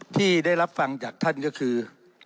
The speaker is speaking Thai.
ที่ได้รับฟังจากท่านก็คือ